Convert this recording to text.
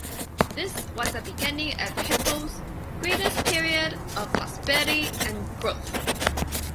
This was the beginning of Hippos' greatest period of prosperity and growth.